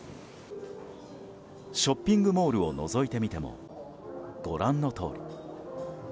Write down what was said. ショッピングモールをのぞいてみても、ご覧のとおり。